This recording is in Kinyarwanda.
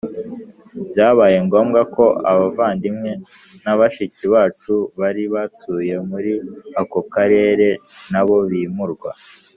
Byabaye ngombwa ko abavandimwe na bashiki bacu bari batuye muri ako karere na bo bimurwa